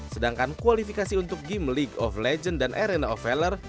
sedangkan kualifikasi untuk game league of legends dan arena of valor